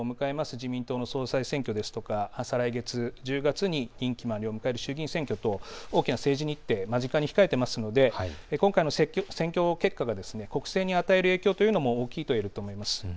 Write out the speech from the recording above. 自民党の総裁選挙ですとか再来月１０月に任期満了を迎える衆議院選挙と大きな政治日程を間近に控えていますので国政に与える影響というのも大きいと思います。